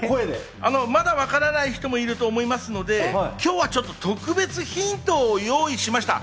まだわからない人もいると思いますので、今日はちょっと特別にヒントを用意しました。